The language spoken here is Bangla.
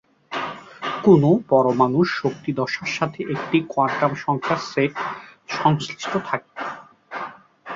কোন পরমাণুর শক্তির দশার সাথে একটি কোয়ান্টাম সংখ্যার সেট সংশ্লিষ্ট থাকে।